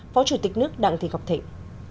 phó chủ tịch nước đặng thị ngọc thịnh